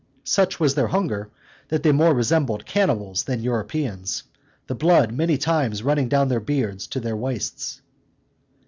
Such was their hunger, that they more resembled cannibals than Europeans; the blood many times running down from their beards to their waists.